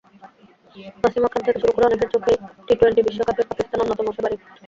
ওয়াসিম আকরাম থেকে শুরু করে অনেকের চোখেই টি-টোয়েন্টি বিশ্বকাপে পাকিস্তান অন্যতম ফেবারিট।